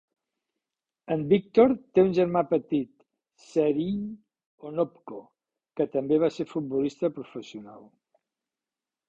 En Viktor té una germà petit, Serhiy Onopko, que també va ser futbolista professional.